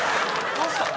どうしたん？